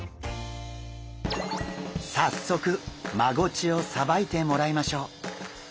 早速マゴチをさばいてもらいましょう。